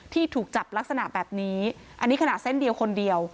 ถูกจับลักษณะแบบนี้อันนี้ขนาดเส้นเดียวคนเดียว